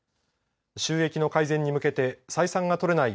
収益の改善に向けて採算が取れない